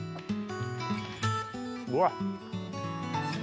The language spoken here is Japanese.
うわっ。